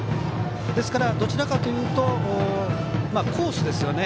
ですから、どちらかというとコースですよね。